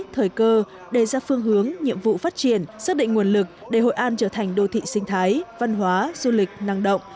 thời cơ đề ra phương hướng nhiệm vụ phát triển xác định nguồn lực để hội an trở thành đô thị sinh thái văn hóa du lịch năng động